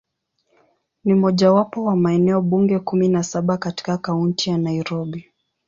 Ni mojawapo wa maeneo bunge kumi na saba katika Kaunti ya Nairobi.